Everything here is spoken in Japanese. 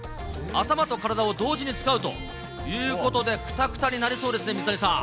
頭と体を同時に使うということで、くたくたになりそうですね、水谷さん。